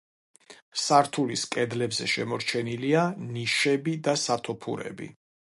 სართულის კედლებზე შემორჩენილია ნიშები და სათოფურები.